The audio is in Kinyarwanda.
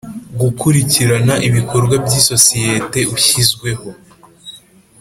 gukurikirana ibikorwa by isosiyete Ushyizweho